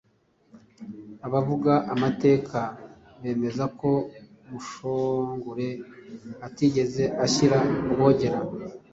Abavuga amateka bemeza ko Mushongore atigeze ashyira Rwogera